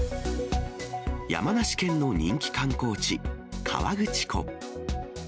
山梨県の人気観光地、河口湖。